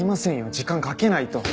時間かけないと。